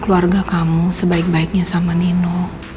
keluarga kamu sebaik baiknya sama nino